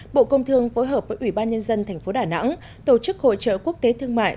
bộ công thương phối hợp với ủy ban nhân dân thành phố đà nẵng tổ chức hội trợ quốc tế thương mại